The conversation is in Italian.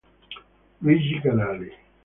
Luigi Canali